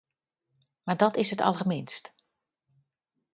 Maar dat is het allerminst.